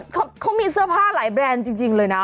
เขามีเสื้อผ้าหลายแบรนด์จริงเลยนะ